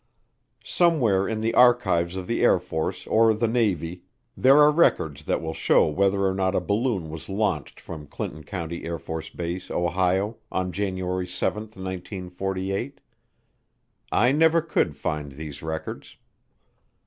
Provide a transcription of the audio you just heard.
Somewhere in the archives of the Air Force or the Navy there are records that will show whether or not a balloon was launched from Clinton County AFB, Ohio, on January 7, 1948. I never could find these records.